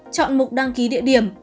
chọn mục đăng ký địa điểm